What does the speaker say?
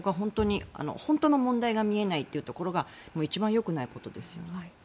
本当の問題が見えないというところが一番よくないことですよね。